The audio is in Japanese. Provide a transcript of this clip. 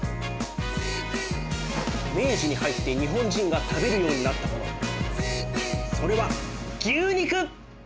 明治に入って日本人が食べるようになったものそれは牛肉！